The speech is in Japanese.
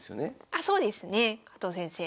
あそうですね。加藤先生